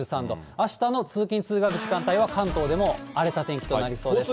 あしたの通勤・通学の時間帯は関東でも荒れた天気となりそうです。